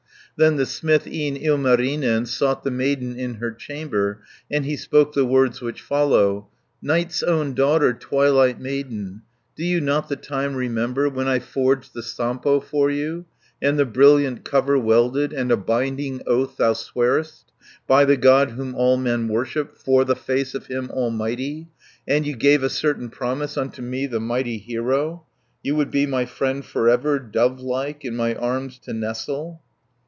Then the smith, e'en Ilmarinen, Sought the maiden in her chamber, And he spoke the words which follow: "Night's own daughter, twilight maiden, Do you not the time remember, When I forged the Sampo for you, And the brilliant cover welded, And a binding oath thou sweared'st, 40 By the God whom all men worship, 'Fore the face of Him Almighty, And you gave a certain promise Unto me, the mighty hero, You would be my friend for ever, Dove like in my arms to nestle?